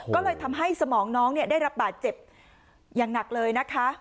ก็เลยทำให้สมองน้องได้รับบาดเจ็บอย่างหนักเลยนะคะ